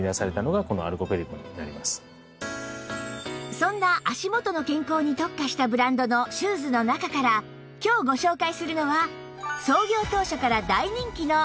そんな足元の健康に特化したブランドのシューズの中から今日ご紹介するのは